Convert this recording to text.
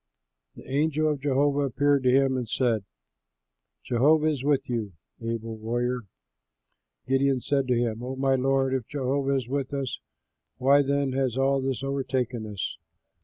The angel of Jehovah appeared to him and said, "Jehovah is with you, able warrior!" Gideon said to him, "O my lord, if Jehovah is with us, why then has all this overtaken us?